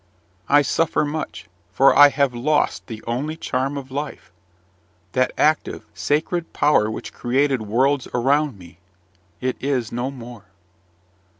I suffer much, for I have lost the only charm of life: that active, sacred power which created worlds around me, it is no more.